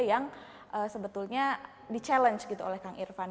yang sebetulnya di challenge gitu oleh kang irfan